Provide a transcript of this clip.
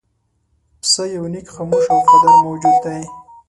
پسه یو نېک، خاموش او وفادار موجود دی.